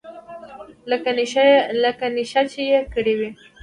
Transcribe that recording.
لکه نېشه چې يې کړې وي.